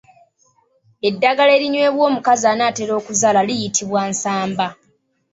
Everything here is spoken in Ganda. Eddagala erinywebwa omukazi an’atera okuzaala liyitibwa Nsamba.